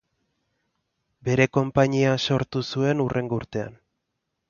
Bere konpainia sortu zuen hurrengo urtean.